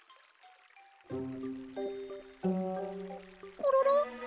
コロロ？